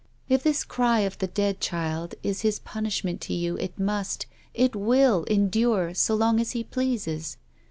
" If this cry of the dead child is his pun ishment to you it must — it will — endure so long as he pleases.